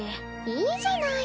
いいじゃない。